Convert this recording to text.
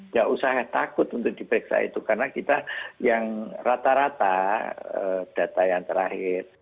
gak usah takut untuk diperiksa itu karena kita yang rata rata data yang terakhir